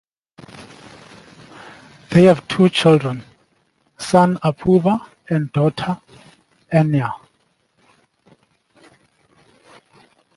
They have two children: son Apoorva and daughter Ananya.